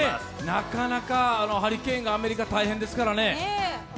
なかなか、ハリケーンがアメリカ大変ですからね。